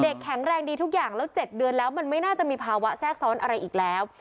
แข็งแรงดีทุกอย่างแล้ว๗เดือนแล้วมันไม่น่าจะมีภาวะแทรกซ้อนอะไรอีกแล้ว